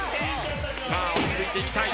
さあ落ち着いていきたい。